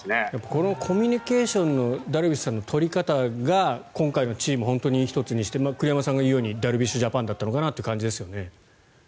このコミュニケーションのダルビッシュさんの取り方が今回のチームを本当に一つにして栗山さんが言うようにダルビッシュジャパンだったのかなという感じですね。